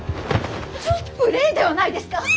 ちょっ無礼ではないですか。